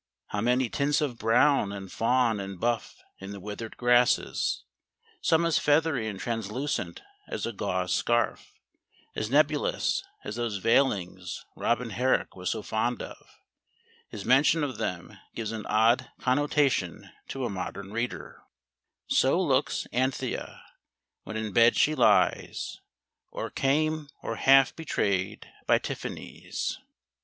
How many tints of brown and fawn and buff in the withered grasses some as feathery and translucent as a gauze scarf, as nebulous as those veilings Robin Herrick was so fond of his mention of them gives an odd connotation to a modern reader So looks Anthea, when in bed she lyes, Orecome, or halfe betray'd by Tiffanies.